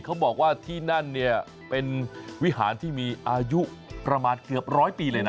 เขาบอกว่าที่นั่นเนี่ยเป็นวิหารที่มีอายุประมาณเกือบร้อยปีเลยนะ